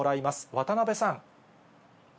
渡邊さん。